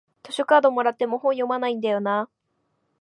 図書カードもらっても本読まないんだよなあ